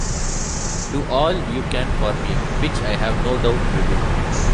Do all you can for me which I have no doubt you will.